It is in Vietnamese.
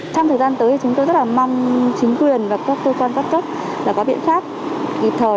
trong thời gian tới chúng tôi rất mong chính quyền và các cơ quan phát tất có biện pháp kịp thời